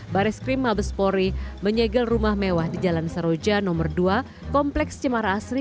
baris krim mabespori menyegel rumah mewah di jalan saroja nomor dua kompleks cemara asri